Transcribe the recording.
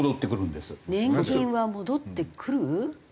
年金は戻ってくる？